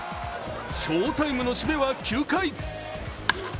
翔タイムの締めは９回。